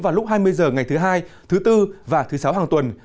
vào lúc hai mươi h ngày thứ hai thứ bốn và thứ sáu hàng tuần